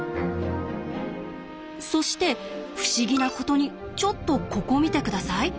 そして不思議なことにちょっとここ見て下さい。